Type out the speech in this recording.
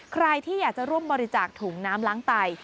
ใครที่อยากจะร่วมบริจาคถุงน้ำล้างไต